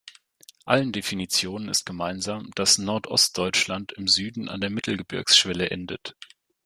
Allen Definitionen ist gemeinsam, dass "Nordostdeutschland" im Süden an der Mittelgebirgsschwelle endet.